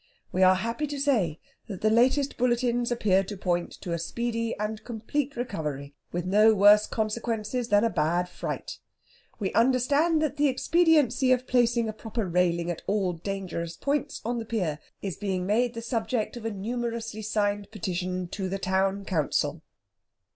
We are happy to say that the latest bulletins appear to point to a speedy and complete recovery, with no worse consequences than a bad fright. We understand that the expediency of placing a proper railing at all dangerous points on the pier is being made the subject of a numerously signed petition to the Town Council."